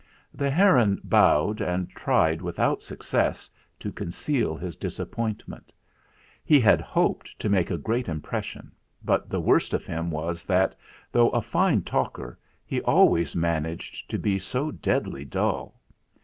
The heron bowed and tried, without success, to conceal his disappointment. He had hoped "SEND FOR CHARLES!" 287 to make a great impression; but the worst of him was that, though a fine talker, he always managed to be so deadly dull.